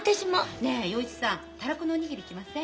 ねえ洋一さんたらこのお握りいきません？